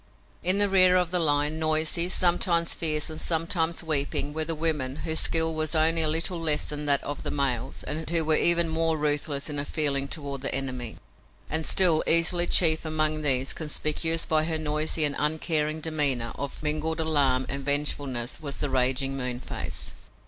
In the rear of the line, noisy, sometimes fierce and sometimes weeping, were the women, whose skill was only a little less than that of the males and who were even more ruthless in all feeling toward the enemy. And still easily chief among these, conspicuous by her noisy and uncaring demeanor of mingled alarm and vengefulness, was the raging Moonface.